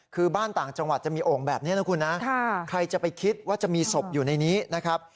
คือบ้านต่างจังหวัดจะมีโอ่งแบบนี้นะคุณนะใครจะไปคิดว่าจะมีศพอยู่ในนี้นะครับ